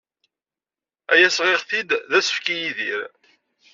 Aya sɣiɣ-t-id d asefk i Yidir.